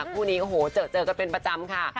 คู่นี้เจอก็เป็นประจำค่ะ